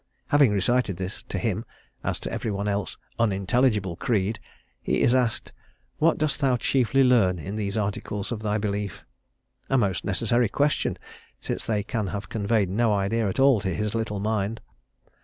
Having recited this, to him (as to everyone else) unintelligible creed, he is asked, "What dost thou chiefly learn in these articles of thy belief?" a most necessary question, since they can have conveyed no idea at all to his little mind.